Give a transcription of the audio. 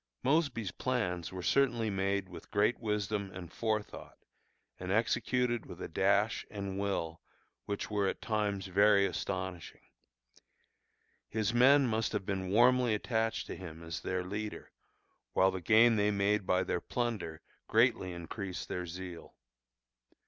Mosby's plans were certainly made with great wisdom and forethought, and executed with a dash and will which were at times very astonishing. His men must have been warmly attached to him as their leader, while the gain they made by their plunder greatly increased their zeal.